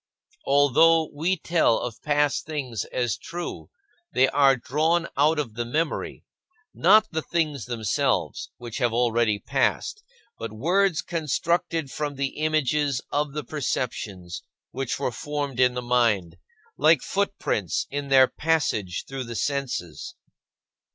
Although we tell of past things as true, they are drawn out of the memory not the things themselves, which have already passed, but words constructed from the images of the perceptions which were formed in the mind, like footprints in their passage through the senses.